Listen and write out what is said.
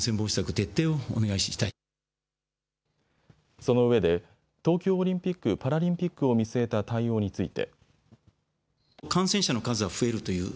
そのうえで東京オリンピック・パラリンピックを見据えた対応について。